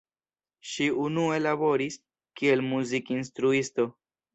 Ŝi unue laboris kiel muzikinstruisto.